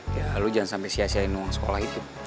ya lo jangan sampe sia siain uang sekolah itu